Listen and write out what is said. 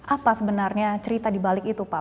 apa sebenarnya cerita di balik itu pak